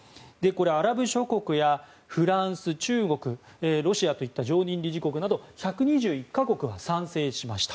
アラブ諸国やフランス、中国ロシアといった常任理事国など１２１か国が賛成しました。